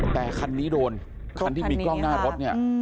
แต่คันนี้โดนคันที่มีกล้องหน้ารถเนี่ย